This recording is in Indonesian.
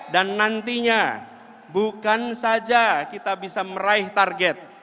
dan nantinya bukan saja kita bisa meraih target